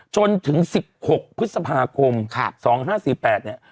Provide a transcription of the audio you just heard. จนถึง๑๖พฤษภาคม๒๕๔๘เนี่ย